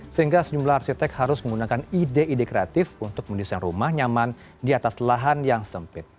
sehingga sejumlah arsitek harus menggunakan ide ide kreatif untuk mendesain rumah nyaman di atas lahan yang sempit